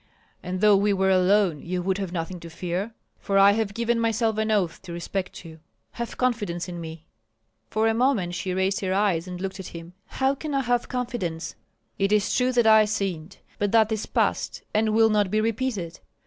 And though we were alone you would have nothing to fear, for I have given myself an oath to respect you. Have confidence in me." For a moment she raised her eyes and looked at him, "How can I have confidence?" "It is true that I sinned, but that is past and will not be repeated.